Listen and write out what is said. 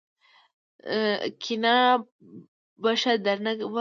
کيڼه پښه درنه وه.